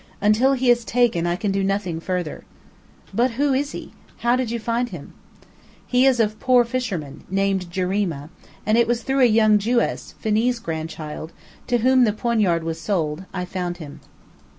Until he is taken I can do nothing further." "But who is he? How did you find him?" "He is a poor fisherman, named Jarima, and it was through a young Jewess, Phenee's grandchild, to whom the poignard was sold, I found him."